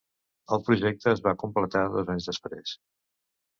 El projecte es va completar dos anys després.